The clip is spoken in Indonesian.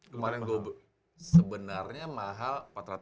kemarin sebenarnya mahal empat ratus lima puluh